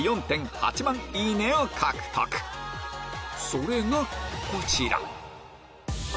それがこちら